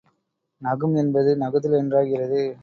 நகும் என்பது நகுதல் என்றாகிறது.